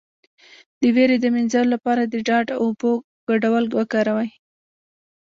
د ویرې د مینځلو لپاره د ډاډ او اوبو ګډول وکاروئ